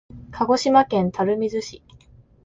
鹿児島県垂水市